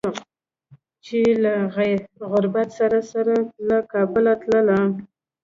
چې له غربت سره سره له کابله تللي